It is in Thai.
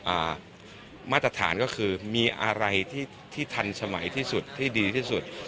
มาตรฐานก็คือมีอะไรที่ที่ทันสมัยที่สุดที่ดีที่สุด